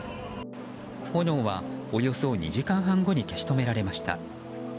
炎はおよそ２時間半後に消し止められました。